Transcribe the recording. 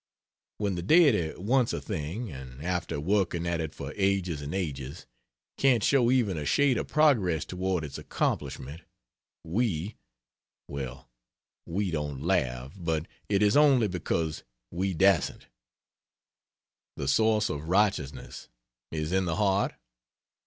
When the Deity wants a thing, and after working at it for "ages and ages" can't show even a shade of progress toward its accomplishment, we well, we don't laugh, but it is only because we dasn't. The source of "righteousness" is in the heart?